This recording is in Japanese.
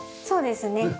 そうですね。